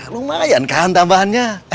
lumayan kan tambahannya